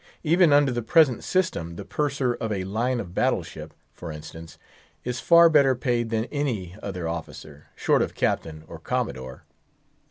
Even under the present system, the Purser of a line of battle ship, for instance, is far better paid than any other officer, short of Captain or Commodore.